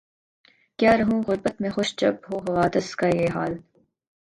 کیا رہوں غربت میں خوش جب ہو حوادث کا یہ حال